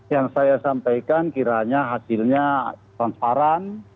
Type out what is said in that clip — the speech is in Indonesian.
yang saya sampaikan kiranya hasilnya transparan